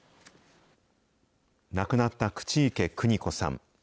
亡くなった口池邦子さん。